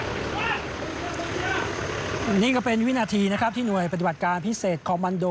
อันนี้ก็เป็นวินาทีนะครับที่หน่วยปฏิบัติการพิเศษคอมมันโด